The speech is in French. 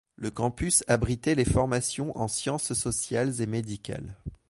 Le campus abritait les formations en sciences sociales et médicales.